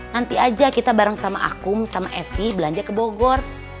nanti aja kita bareng sama akum sama evi belanja ke bogor